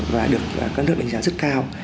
và được các nước đánh giá rất cao